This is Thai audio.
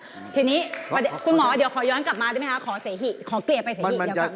อ่าทีนี้คุณหมอเดี๋ยวขอย้อนกลับมาได้มั้ยคะขอเศฮิขอเกลียดไปเศฮิ